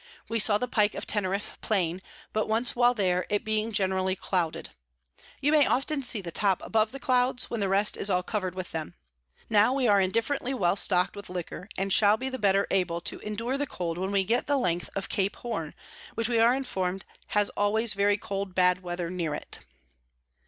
We saw the Pike of Teneriff plain but once while there, it being generally clouded; you may often see the Top above the Clouds, when the rest is all cover'd with them. Now we are indifferently well stock'd with Liquor, and shall be the better able to endure the Cold when we get the Length of Cape Horn, which we are inform'd has always very cold bad Weather near it.